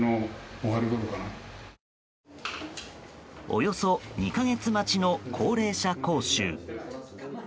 およそ２か月待ちの高齢者講習。